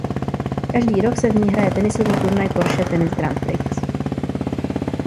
Každý rok se v ní hraje tenisový turnaj Porsche Tennis Grand Prix.